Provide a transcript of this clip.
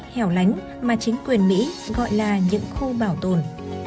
hẻo lánh mà chính quyền mỹ gọi là những khu bảo tồn